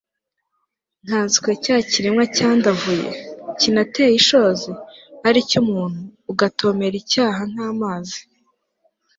nkanswe cya kiremwa cyandavuye, kinateye ishozi, ari cyo muntu, ugotomera icyaha nk'amazi